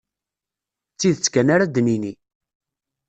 D tidet kan ara d-nini.